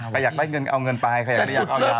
ใครอยากได้เงินเอาเงินไปใครอยากได้อยากเอาเรา